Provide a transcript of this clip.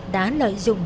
đã lợi dụng